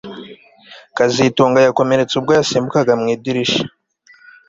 kazitunga yakomeretse ubwo yasimbukaga mu idirishya